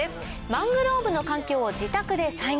マングローブの環境を自宅で再現。